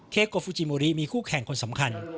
โกฟูจิมูริมีคู่แข่งคนสำคัญ